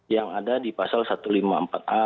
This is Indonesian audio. yang ada di pasal satu ratus lima puluh empat a